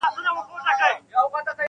• غرڅه ډوب وو د ښکرونو په ستایلو -